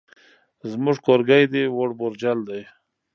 زموږ کورګی دی ووړ بوجل دی.